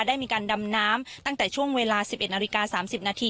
ได้มีการดำน้ำตั้งแต่ช่วงเวลา๑๑นาฬิกา๓๐นาที